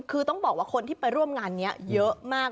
คือต้องบอกว่าคนที่ไปร่วมงานนี้เยอะมาก